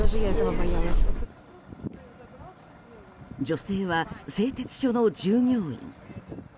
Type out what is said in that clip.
女性は製鉄所の従業員。